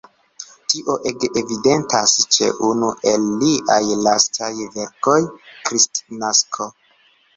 Tio ege evidentas ĉe unu el liaj lastaj verkoj, "Kristnasko".